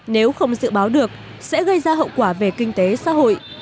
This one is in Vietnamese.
nếu không dự báo được sẽ gây ra hậu quả về kinh tế xã hội